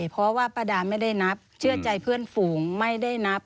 เพราะว่าป้าดาไม่ได้นับเชื่อใจเพื่อนฝูงไม่ได้นับ